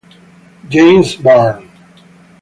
James Byrne